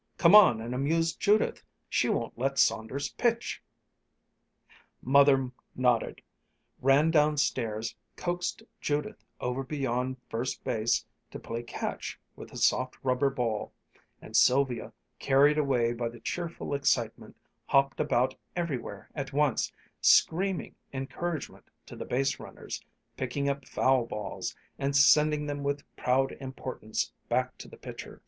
Come on and amuse Judith. She won't let Saunders pitch." Mother nodded, ran downstairs, coaxed Judith over beyond first base to play catch with a soft rubber ball; and Sylvia, carried away by the cheerful excitement, hopped about everywhere at once, screaming encouragement to the base runners, picking up foul balls, and sending them with proud importance back to the pitcher.